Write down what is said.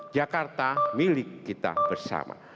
jakarta milik kita bersama